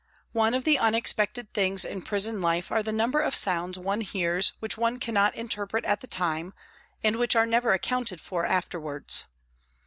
One of the unexpected things in prison life are the number of sounds one hears which one cannot interpret at the time, and which are never accounted for afterwards.